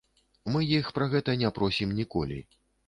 Мы іх пра гэта не просім ніколі.